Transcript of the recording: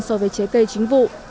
so với trái cây chính vụ